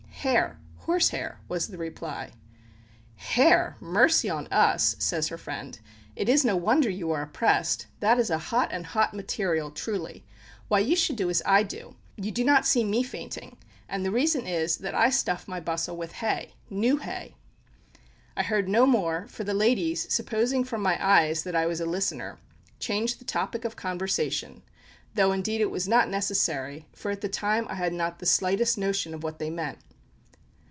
"Hair horse hair," was the reply. "Hair! mercy on us!" says her friend, "it is no wonder you are oppressed that's a hot and hot material truly. Why, you should do as I do you do not see me fainting; and the reason is, that I stuff my bustle with hay new hay!" I heard no more, for the ladies, supposing from my eyes that I was a listener, changed the topic of conversation, though indeed it was not necessary, for at the time I had not the slightest notion of what they meant.